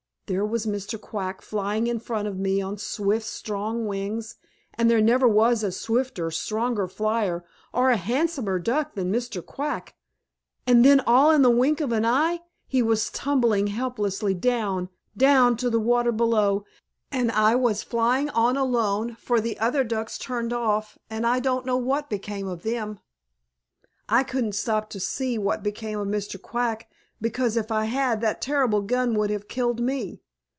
There was Mr. Quack flying in front of me on swift, strong wings, and there never was a swifter, stronger flier or a handsomer Duck than Mr. Quack, and then all in the wink of an eye he was tumbling helplessly down, down to the water below, and I was flying on alone, for the other Ducks turned off, and I don't know what became of them. I couldn't stop to see what became of Mr. Quack, because if I had, that terrible gun would have killed me.